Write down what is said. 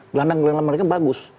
gelandang gelandang mereka bagus